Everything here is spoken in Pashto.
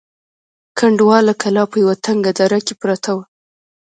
کنډواله کلا په یوه تنگه دره کې پرته وه.